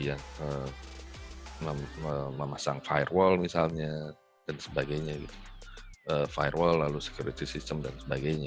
ya memasang firewall misalnya dan sebagainya gitu firewall lalu security system dan sebagainya